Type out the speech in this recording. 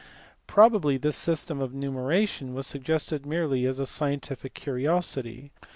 Probably this system of numeration was suggested merely as a scientific curiosity.